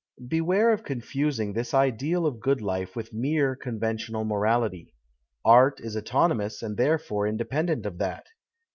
Beware of confusing this ideal of good life with mere conventional morality. Art is autonomous and therefore independent of that.